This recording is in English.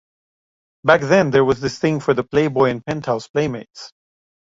Back then, there was this thing for the Playboy and Penthouse playmates.